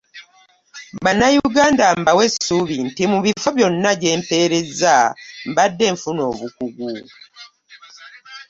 Bannayuganda mbawa essuubi nti mu bifo byonna gye mpeerezza mbadde nfuna obukugu